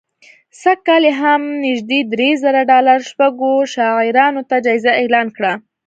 سږ کال یې هم نژدې درې زره ډالره شپږو شاعرانو ته جایزه اعلان کړه